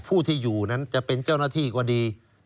ผู้ที่อยู่จะเป็นเจ้าหน้าที่กว่าดี